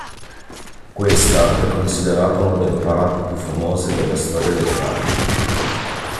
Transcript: Questa è considerata una delle parate più famose della storia del calcio.